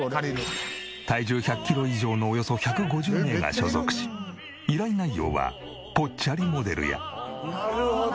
体重１００キロ以上のおよそ１５０人が所属し依頼内容はぽっちゃりモデルや。